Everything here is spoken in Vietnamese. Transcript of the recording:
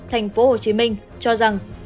tp hcm cho rằng